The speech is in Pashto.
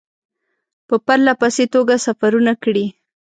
په پرله پسې توګه سفرونه کړي.